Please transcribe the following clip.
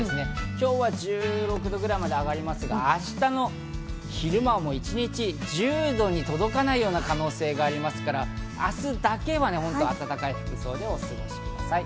今日も１６度ぐらいまで上がりますが、明日の昼間はもう一日１０度に届かない可能性がありますから、明日だけは暖かい服装をしてください。